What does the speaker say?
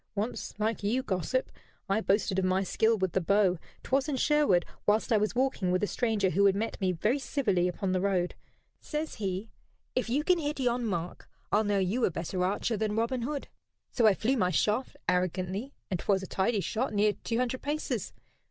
"Once, like you, gossip, I boasted of my skill with the bow 'twas in Sherwood, whilst I was walking with a stranger who had met me very civilly upon the road. Says he: 'If you can hit yon mark I'll know you a better archer than Robin Hood.' So I flew my shaft arrogantly, and 'twas a tidy shot, near two hundred paces.